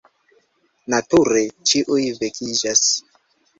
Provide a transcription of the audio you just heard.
Nature, ĉiuj vekiĝas.